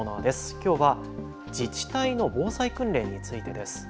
きょうは自治体の防災訓練についてです。